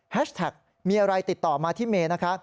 แท็กมีอะไรติดต่อมาที่เมย์นะคะ